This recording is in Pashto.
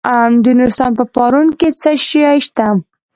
د نورستان په پارون کې څه شی شته؟